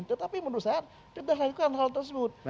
tetapi menurut saya kita lakukan hal tersebut